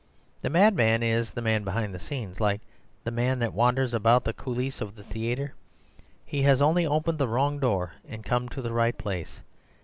The madman is the man behind the scenes, like the man that wanders about the coulisse of a theater. He has only opened the wrong door and come into the right place.